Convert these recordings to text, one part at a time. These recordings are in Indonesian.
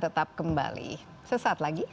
tapi tujuannya sebenarnya menjaga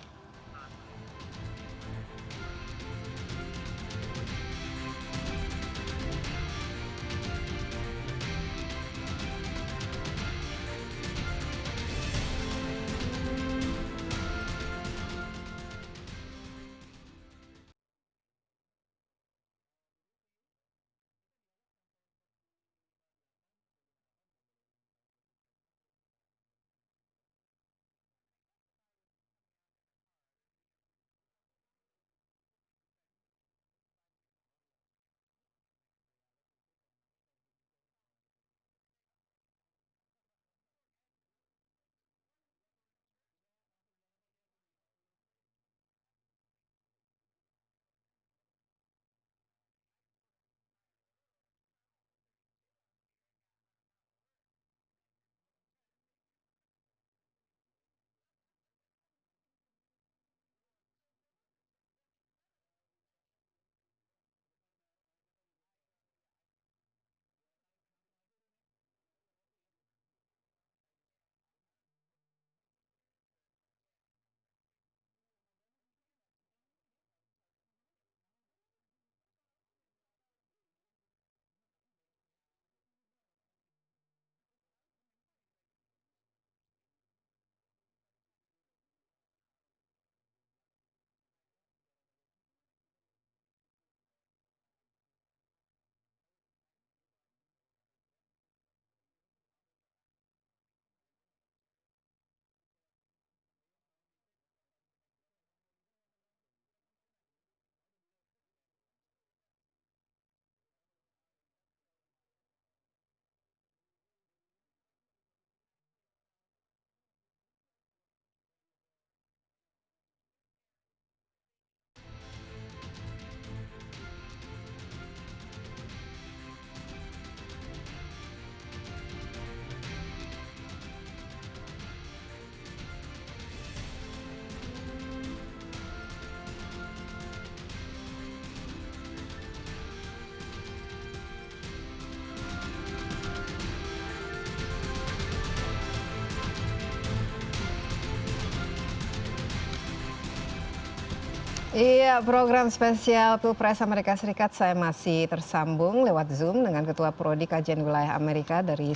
status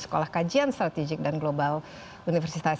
per power itu